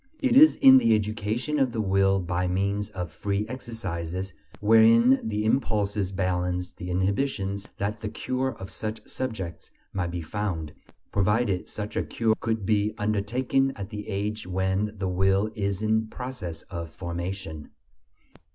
It is in the education of the will by means of free exercises wherein the impulses balance the inhibitions that the cure of such subjects might be found, provided such a cure could be undertaken at the age when the will is in process of formation.